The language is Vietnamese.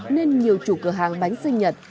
nên nhiều chủ cửa hàng bánh sinh nhật